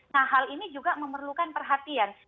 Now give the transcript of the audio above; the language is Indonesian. nah hal ini juga memerlukan perhatian